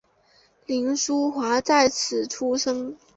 凌叔华在此出生。